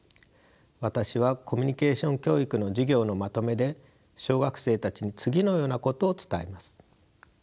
私はコミュニケーション教育の授業のまとめで小学生たちに次のようなことを伝えます。